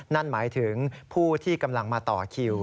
นั่นหมายถึงผู้ที่กำลังมาต่อคิว